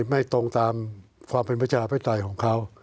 ไม่ตรงตามความเป็นประชาธิปไตยของเขา